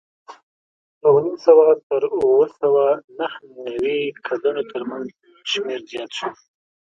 د اوه نیم سوه تر اوه سوه نهه نوې کلونو ترمنځ شمېر زیات شو